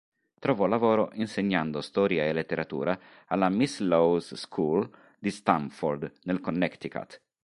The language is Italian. Trovò lavoro insegnando storia e letteratura alla Miss Low's School di Stamford, nel Connecticut.